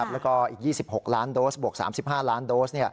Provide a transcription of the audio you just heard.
แล้วก็อีก๒๖ล้านโดสบวก๓๕ล้านโดส